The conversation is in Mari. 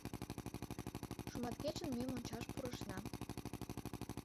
Шуматкечын ме мончаш пурышна.